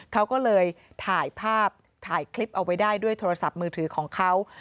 เขาก็เลยถ่ายภาพถ่ายคลิปเอาไว้ได้ด้วยโทรศัพท์มือถือของเขา